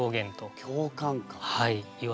はい。